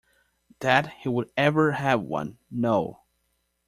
That he would ever have one - no.